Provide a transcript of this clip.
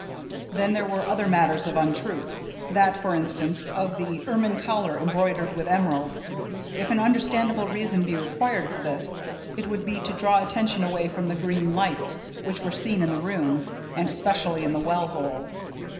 "Then there were other matters of untruth. That, for instance, of the ermine collar embroidered with emeralds. If an understandable reason be required for this, it would be to draw attention away from the green lights which were seen in the room, and especially in the well hole.